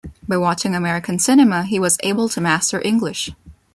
By watching American cinema, he was able to master English.